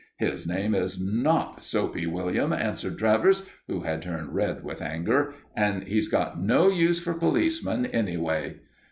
"His name is not Soapy William," answered Travers, who had turned red with anger, "and he's got no use for policemen, anyway."